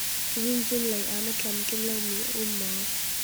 Zunzun lei ah na tlamtling lo mi a um maw?